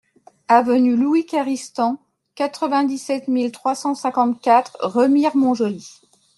Avenue Louis Caristan, quatre-vingt-dix-sept mille trois cent cinquante-quatre Remire-Montjoly